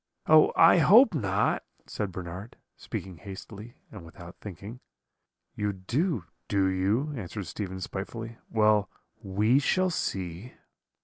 "'Oh! I hope not,' said Bernard, speaking hastily and without thinking. "'You do, do you?' answered Stephen spitefully; 'well, we shall see.'